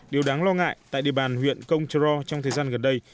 điều đáng lo ngại tại địa bàn huyện công trờ ro trong thời gian gần đây